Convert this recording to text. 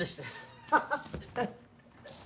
ハハハハハ。